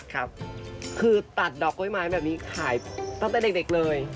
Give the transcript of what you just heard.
ครับคือตัดดอกกล้วยไม้แบบนี้ขายตั้งแต่เด็กเลย